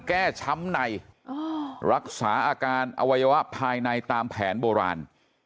ช้ำในรักษาอาการอวัยวะภายในตามแผนโบราณ